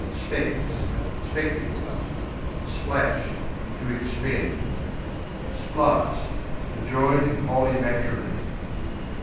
Specs Spectacles. Splash To expend. Splice To join in holy matrimony.